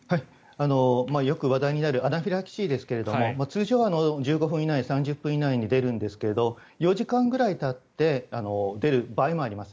よく話題になるアナフィラキシーですが通常１５分以内、３０分以内に出るんですが４時間ぐらいたって出る場合もあります。